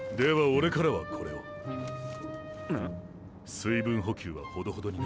水分補給はほどほどにな。